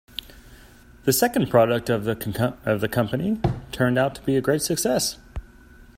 The second product of the company turned out to be a great success.